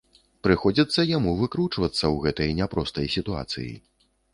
Прыходзіцца яму выкручвацца ў гэтай няпростай сітуацыі.